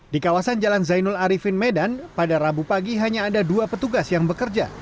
di kawasan jalan zainul arifin medan pada rabu pagi hanya ada dua petugas yang bekerja